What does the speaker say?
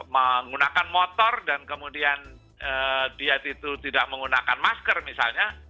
menggunakan motor dan kemudian dia itu tidak menggunakan masker misalnya